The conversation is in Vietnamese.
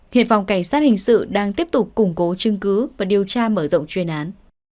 hiện phòng cảnh sát hình sự đang tiếp tục củng cố chứng cứ và điều tra mở rộng chuyên án